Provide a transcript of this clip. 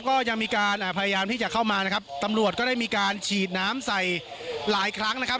ก็ยังมีการอ่าพยายามที่จะเข้ามานะครับตำรวจก็ได้มีการฉีดน้ำใส่หลายครั้งนะครับ